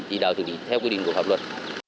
chỉ đạo xử lý theo quy định của pháp luật